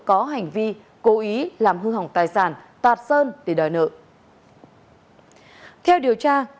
có hành vi cố ý làm hư hỏng tài lệ